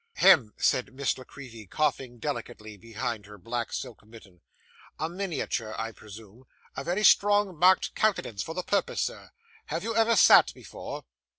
'Hem!' said Miss La Creevy, coughing delicately behind her black silk mitten. 'A miniature, I presume. A very strongly marked countenance for the purpose, sir. Have you ever sat before?